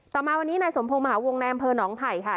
ต่อมาวันนี้ในสมพงศ์มหาวงแนมเพอหนองไผ่ค่ะ